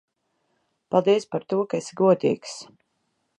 Paldies par to, ka esi godīgs.